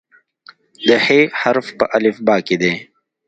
د "ح" حرف په الفبا کې دی.